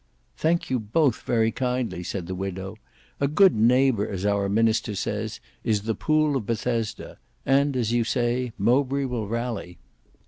"Thank you both very kindly," said the widow, "a good neighbour as our minister says, is the pool of Bethesda; and as you say, Mowbray will rally."